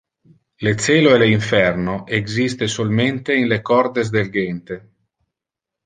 Le celo e le inferno existe solmente in le cordes del gente.